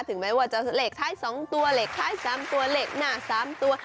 ถึงแม้ว่าจะเหล็กท้าย๒ตัวเหล็กท้าย๓ตัวเหล็กหน้า๓ตัว